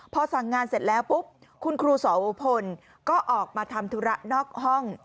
พอสั่งงานเสร็จแล้วปุ๊บคุณครูสวพลก็ออกมาทำธุระนอกห้อง